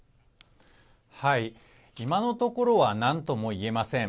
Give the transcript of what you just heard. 今のところはなんともいえません。